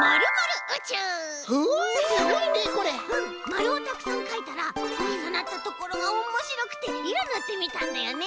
まるをたくさんかいたらかさなったところがおもしろくていろぬってみたんだよね！